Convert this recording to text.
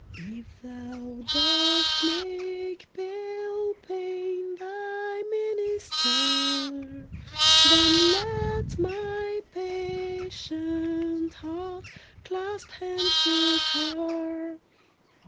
If thou dost make pale Pain Thy minister, Then let my patient heart Clasp hands with her.